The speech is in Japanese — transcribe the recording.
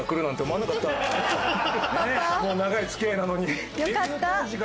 もう長い付き合いなのに。